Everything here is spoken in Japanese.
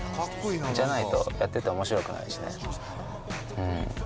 じゃないとやってておもしろくないしね。